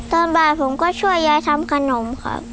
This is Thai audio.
ตอนบ่ายผมก็ช่วยยายทำขนมครับ